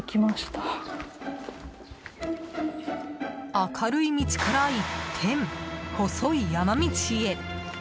明るい道から一転、細い山道へ。